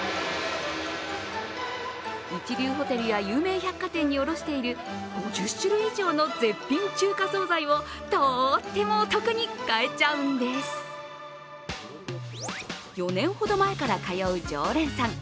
一流ホテルや有名百貨店に卸している、５０種類以上の絶品中華総菜をとってもお得に買えちゃうんでする４年ほど前から通う常連さん。